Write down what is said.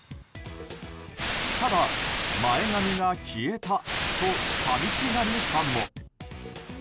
ただ、前髪が消えたと寂しがるファンも。